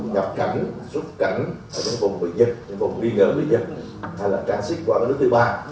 nhập cảnh xuất cảnh ở những vùng bị dịch những vùng bị ngỡ bị dịch hay là cản xích qua nước thứ ba